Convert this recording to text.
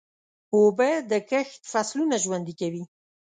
اوبه د کښت فصلونه ژوندي کوي.